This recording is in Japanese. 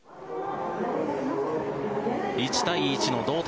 １対１の同点。